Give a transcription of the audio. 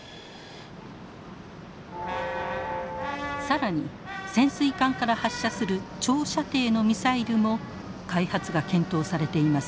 更に潜水艦から発射する長射程のミサイルも開発が検討されています。